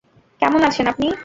কেমন আছেন আপনি?